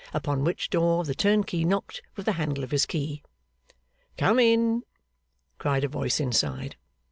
Upon which door the turnkey knocked with the handle of his key. 'Come in!' cried a voice inside.